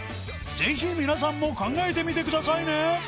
ぜひ皆さんも考えてみてくださいね